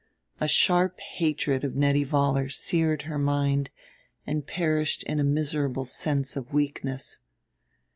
A sharp hatred of Nettie Vollar seared her mind and perished in a miserable sense of weakness.